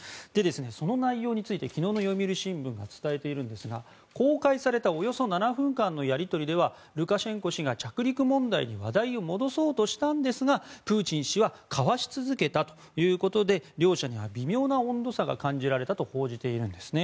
その内容について昨日の読売新聞が伝えているんですが公開されたおよそ７分間のやり取りではルカシェンコ氏が着陸問題に話題を戻そうとしたんですがプーチン氏はかわし続けたということで両者には微妙な温度差が感じられたと報じているんですね。